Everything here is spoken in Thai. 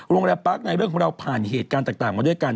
โรงแรมปาร์คในเรื่องของเราผ่านเหตุการณ์ต่างมาด้วยกัน